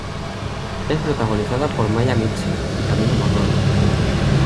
Es protagonizada por Maia Mitchell y Camila Morrone.